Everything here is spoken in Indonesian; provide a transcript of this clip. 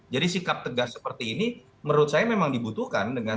jadi sikap tegas seperti ini menurut saya memang dibutuhkan dengan